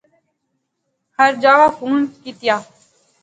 ہر جاغا فون کیتیا